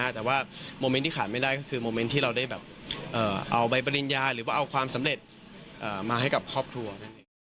แต่ว่าโมเมนต์ที่ขาดไม่ได้ก็คือโมเมนต์ที่เราได้แบบเอาใบปริญญาหรือว่าเอาความสำเร็จมาให้กับครอบครัว